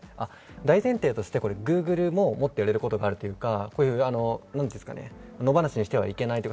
大前提としてＧｏｏｇｌｅもやれることがあるというか、野放しにしてはいけません。